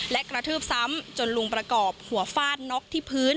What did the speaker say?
และกระทืบซ้ำจนลุงประกอบหัวฟาดน็อกที่พื้น